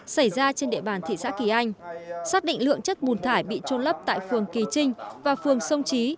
xảy ra trên địa bàn thị xã kỳ anh xác định lượng chất bùn thải bị trôn lấp tại phường kỳ trinh và phường sông trí